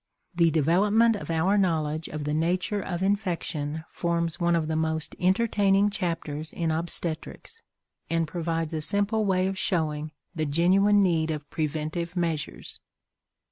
The development of our knowledge of the nature of infection forms one of the most entertaining chapters in obstetrics, and provides a simple way of showing the genuine need of preventive measures.